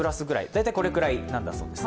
大体これくらいなんだそうです。